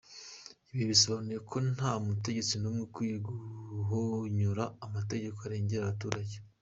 Ibi bisobanuye ko nta mutegetsi n’umwe ukwiye guhonyora amategeko arengera abaturage.